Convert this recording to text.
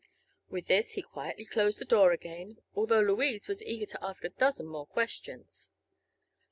With this he quietly closed the door again, although Louise was eager to ask a dozen more questions.